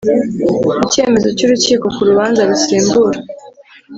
Icyemezo cy urukiko ku rubanza rusimbura